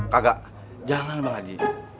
kagak jangan bang haji